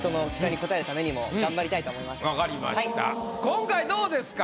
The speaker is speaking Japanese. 今回どうですか？